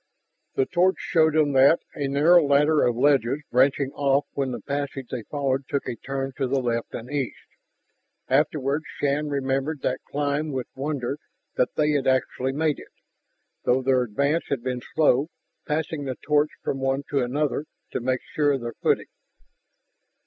The torch showed them that, a narrow ladder of ledges branching off when the passage they followed took a turn to the left and east. Afterward Shann remembered that climb with wonder that they had actually made it, though their advance had been slow, passing the torch from one to another to make sure of their footing.